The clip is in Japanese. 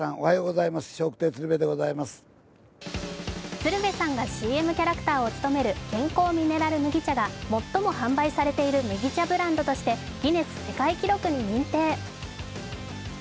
鶴瓶さんがＣＭキャラクターを務める健康ミネラル麦茶が最も販売されている麦茶ブランドとしてギネス世界記録に認定。